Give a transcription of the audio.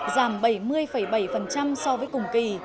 giảm bảy mươi bảy so với cùng kỳ